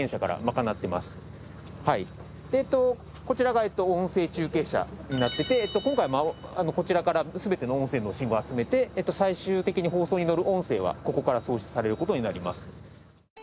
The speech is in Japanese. こちらが音声中継車になってて今回こちらから全ての音声の信号を集めて最終的に放送にのる音声はここから送出される事になります。